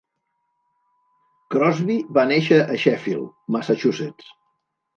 Crosby va néixer a Sheffield, Massachusetts.